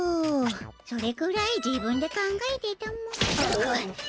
それくらい自分で考えてたも。